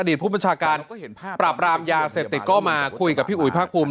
ผู้บัญชาการปราบรามยาเสพติดก็มาคุยกับพี่อุ๋ยภาคภูมิ